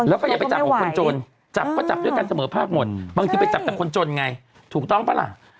แล้วก็อย่าไปจับของคนจนจับก็จับด้วยกันเสมอภาคหมดบางทีไปจับแต่คนจนไงถูกต้องปะล่ะ